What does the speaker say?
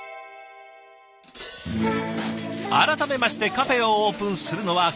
改めましてカフェをオープンするのはこの３人。